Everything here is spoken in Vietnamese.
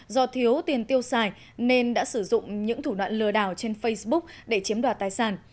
do thiếu tiền tiêu xài nên đã sử dụng những thủ đoạn lừa đảo trên facebook để chiếm đoạt tài sản